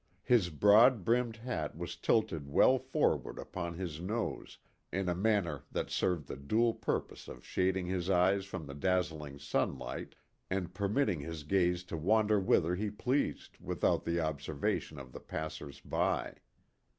His broad brimmed hat was tilted well forward upon his nose, in a manner that served the dual purpose of shading his eyes from the dazzling sunlight, and permitting his gaze to wander whither he pleased without the observation of the passers by.